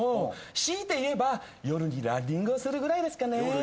強いて言えば夜にランニングをするぐらいですかね。